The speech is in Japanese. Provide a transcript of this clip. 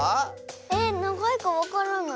えっながいかわからない。